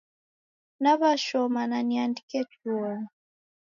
Naw'ashoma na niandike chuonyi.